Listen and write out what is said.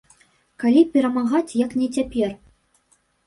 Калі перамагаць, як не цяпер?